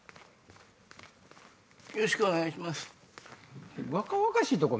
よろしくお願いします。